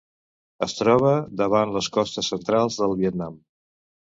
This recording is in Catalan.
Es troba davant les costes centrals del Vietnam.